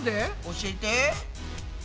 教えて。